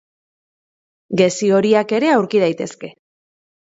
Gezi horiak ere aurki daitezke.